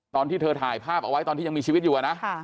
ตอนที่เธอถ่ายภาพเอาไว้ตอนที่ยังมีชีวิตอยู่นะ